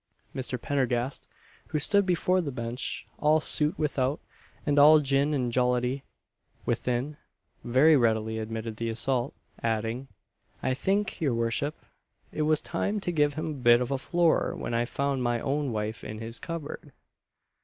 Mr. Pendergast, who stood before the bench all soot without, and all gin and jollity within, very readily admitted the assault adding, "I think, your worship, it was time to give him a bit of a floorer when I found my own wife in his cupboard!"